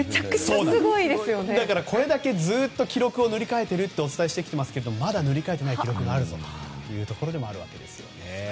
これだけずっと記録を塗り替えているとお伝えしてきてますがまだ塗り替えてない記録があるというところでもあるわけです。